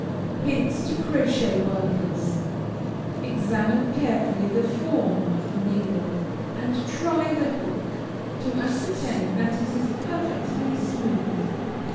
HINTS TO CROCHET WORKERS. Examine carefully the form of the needle, and try the hook, to ascertain that it is perfectly smooth.